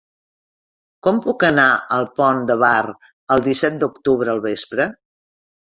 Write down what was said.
Com puc anar al Pont de Bar el disset d'octubre al vespre?